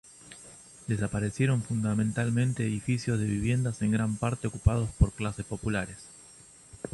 Desaparecieron fundamentalmente edificios de viviendas en gran parte ocupadas por clases populares.